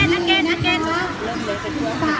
๓นาทีนะคะ